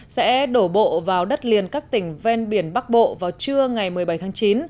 sẽ đổ bộ vào đất liền các tỉnh ven biển bắc bộ vào trưa ngày một mươi bảy tháng chín